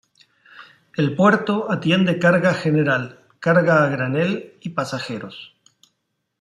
El puerto atiende carga general, carga a granel y pasajeros.